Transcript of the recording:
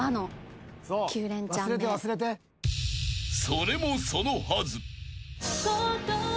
［それもそのはず］